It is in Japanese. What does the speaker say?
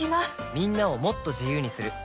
みんなをもっと自由にする「三菱冷蔵庫」